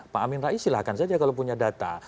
pak amin rais silahkan saja kalau punya data